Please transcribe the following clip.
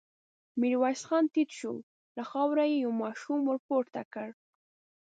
ميرويس خان ټيټ شو، له خاورو يې يو ماشوم ور پورته کړ.